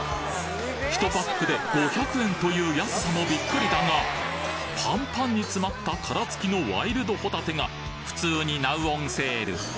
１パックで５００円という安さもビックリだがパンパンに詰まった殻付きのワイルドホタテが普通にＮｏｗｏｎｓａｌｅ！